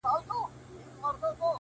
ستا د بنگړو مست شرنگهار وچاته څه وركوي؛